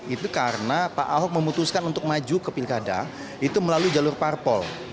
itu karena pak ahok memutuskan untuk maju ke pilkada itu melalui jalur parpol